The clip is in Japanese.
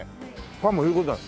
パンも言う事ない。